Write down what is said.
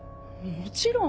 もちろん！